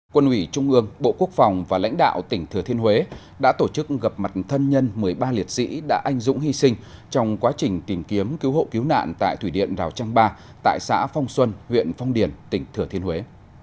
quân ủy trung ương bộ quốc phòng và lãnh đạo tỉnh thừa thiên huế đã tổ chức gặp mặt thân nhân một mươi ba liệt sĩ đã anh dũng hy sinh trong quá trình tìm kiếm cứu hộ cứu nạn tại thủy điện rào trang ba tại xã phong xuân huyện phong điền tỉnh thừa thiên huế